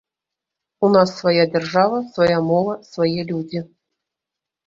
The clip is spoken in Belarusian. У нас свая дзяржава, свая мова, свае людзі.